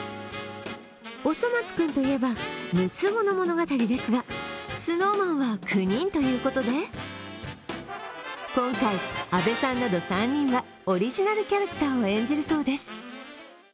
「おそ松くん」といえば６つ子の物語ですがＳｎｏｗＭａｎは９人ということで、今回、阿部さんなど３人はオリジナルキャラクターを演じるそうです。